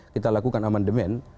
kita lakukan amandemen